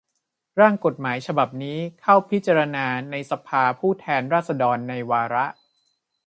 ร่างกฎหมายฉบับนี้เข้าพิจารณาในสภาผู้แทนราษฎรในวาระ